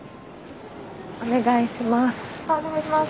お願いします。